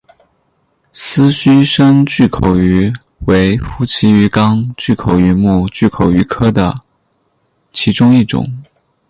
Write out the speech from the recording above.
丝须深巨口鱼为辐鳍鱼纲巨口鱼目巨口鱼科的其中一种。